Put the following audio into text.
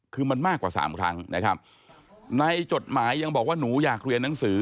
คือมันมากกว่าสามครั้งนะครับในจดหมายยังบอกว่าหนูอยากเรียนหนังสือ